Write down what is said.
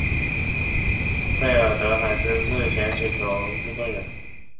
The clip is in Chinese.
费尔德海斯是前水球运动员。